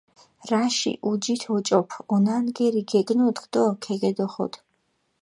რაში ჸუჯით ოჭოფჷ, ონანგერი გეგნოდგჷ დო ქეგედოხოდჷ.